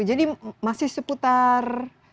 jadi masih seputar